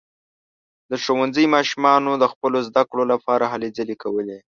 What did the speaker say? د ښوونځي ماشومانو د خپلو زده کړو لپاره هلې ځلې کولې.